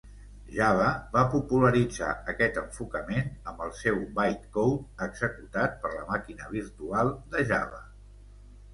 Java va popularitzar aquest enfocament amb el seu "bytecode" executat per la màquina virtual de Java.